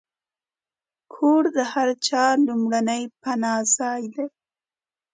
کور د هر چا لومړنی پناهځای دی.